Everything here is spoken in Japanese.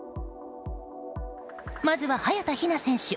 まずは、早田ひな選手。